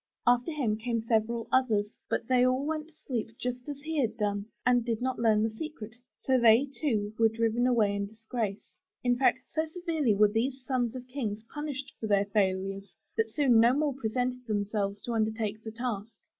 After him came several others, but 176 UP ONE PAIR OF STAIRS they all went to sleep just as he had done and did not learn the secret, so they, too, were driven away in disgrace. In fact, so severely were these sons of Kings punished for their failures, that soon no more pre sented themselves to undertake the task.